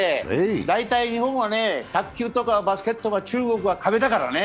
大体日本は卓球とかバスケットは中国は壁だからね。